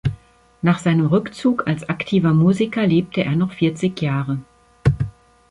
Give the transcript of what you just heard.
Nach seinem Rückzug als aktiver Musiker lebte er noch vierzig Jahre.